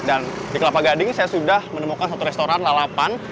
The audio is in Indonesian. dan di kelapa gading saya sudah menemukan satu restoran lalapan